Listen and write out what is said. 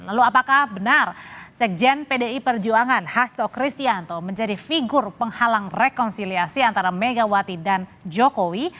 lalu apakah benar sekjen pdi perjuangan hasto kristianto menjadi figur penghalang rekonsiliasi antara megawati dan jokowi